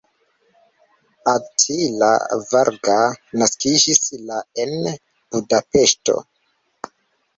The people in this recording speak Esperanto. Attila Varga naskiĝis la en Budapeŝto.